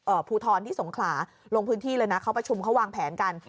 ภูทรที่สงขลาลงพื้นที่เลยนะเขาประชุมเขาวางแผนกัน